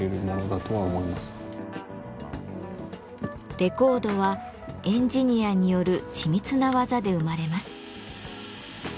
レコードはエンジニアによる緻密な技で生まれます。